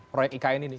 proyek ikn ini